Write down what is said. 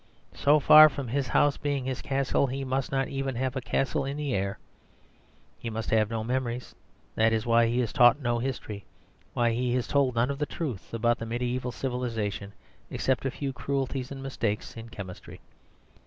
So far from his house being his castle, he must not have even a castle in the air. He must have no memories; that is why he is taught no history. Why is he told none of the truth about the mediæval civilisation except a few cruelties and mistakes in chemistry?